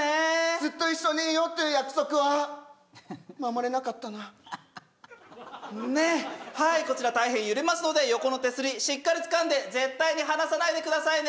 ずっと一緒にいようっていう約束は守れなかったなねっはいこちら大変揺れますので横の手すりしっかりつかんで絶対に離さないでくださいね